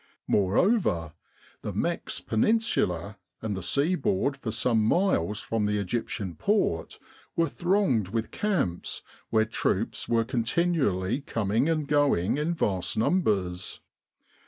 Moreover, the Mex Peninsula and the sea board for some miles from the Egyptian port were thronged with camps where troops were continually coming and going in vast numbers.